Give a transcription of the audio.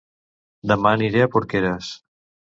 Dema aniré a Porqueres